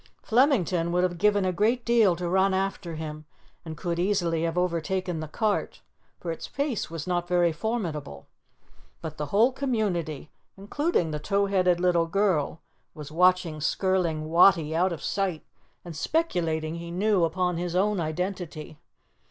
Flemington would have given a great deal to run after him, and could easily have overtaken the cart, for its pace was not very formidable. But the whole community, including the tow headed little girl, was watching Skirling Wattie out of sight and speculating, he knew, upon his own identity.